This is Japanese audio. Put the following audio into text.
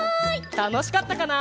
たのしかったかな？